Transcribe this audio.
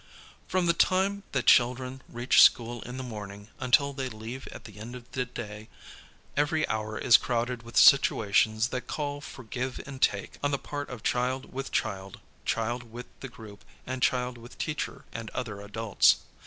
From the time that children reach school in the morning until they leave at the end of the day, every hour is crowded with situations that call for give and take on the part of child with child, child with the group, and child with teacher and other adults.